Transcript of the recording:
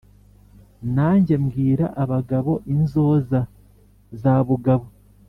nanjye mbwira abagabo inzoza ya bugabo.